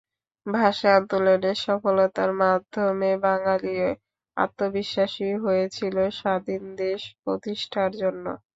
ভাষা আন্দোলনের সফলতার মাধ্যমে বাঙালি আত্মবিশ্বাসী হয়েছিল স্বাধীন দেশ প্রতিষ্ঠার জন্য।